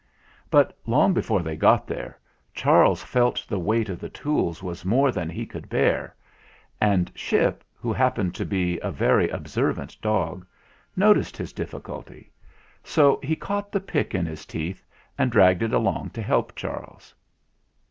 But long before they got there, Charles felt the weight of the tools was more than he could bear, and Ship, who happened to be a very observant dog, noticed his difficulty, so he GETS TO WORK AGAIN 77 caught the pick in his teeth and dragged it along to help Charles.